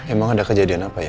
emang ada kejadian apa ya